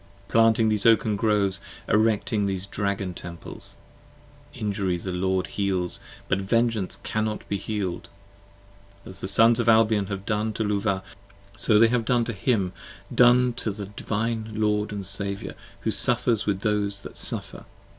Planting these Oaken Groves: Erecting these Dragon Temples. 5 Injury the Lord heals but Vengeance cannot be healed: As the Sons of Albion have done to Luvah: so they have in him Done to the Divine Lord & Saviour, who suffers with those that suffer.